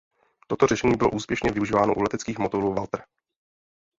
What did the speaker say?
Toto řešení bylo úspěšně využíváno u leteckých motorů Walter..